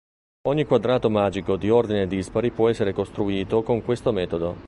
Ogni quadrato magico di ordine dispari può essere costruito con questo metodo.